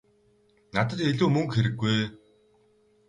Надад илүү мөнгө хэрэггүй ээ.